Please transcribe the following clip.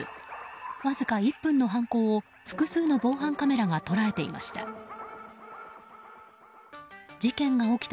わずか１分の犯行を複数の防犯カメラが捉えていました。